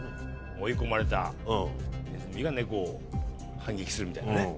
追い込まれたねずみが猫を反撃するみたいなね。